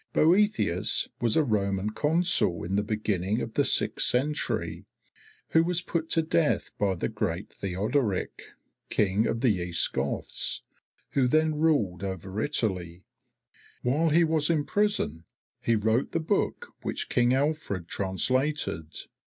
Boethius was a Roman Consul in the beginning of the sixth century, who was put to death by the great Theodoric, King of the East Goths, who then ruled over Italy. While he was in prison he wrote the book which King Alfred translated.